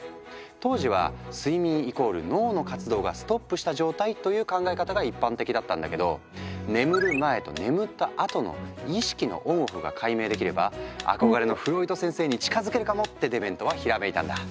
当時は睡眠＝脳の活動がストップした状態という考え方が一般的だったんだけど「眠る前と眠ったあとの意識のＯＮＯＦＦが解明できれば憧れのフロイト先生に近づけるかも！」ってデメントはひらめいたんだ。